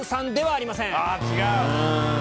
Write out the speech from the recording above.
あっ違う！